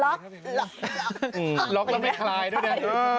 ล็อกแล้วไม่คลายที่ดี